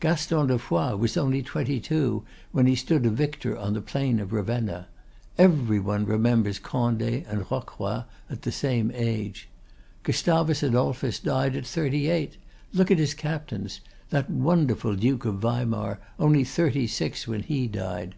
Gaston de Foix was only twenty two when he stood a victor on the plain of Ravenna. Every one remembers Condé and Rocroy at the same age. Gustavus Adolphus died at thirty eight. Look at his captains: that wonderful Duke of Weimar, only thirty six when he died.